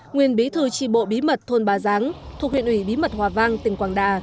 nguyên bí thư tri bộ bí mật thôn ba giáng thuộc huyện ủy bí mật hòa vang tỉnh quảng đà